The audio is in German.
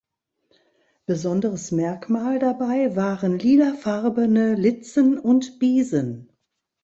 Besonderes Merkmal dabei waren lilafarbene Litzen und Biesen.